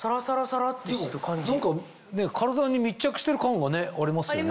何か体に密着してる感がありますよね。